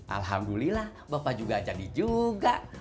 alhamdulillah bapak juga jadi juga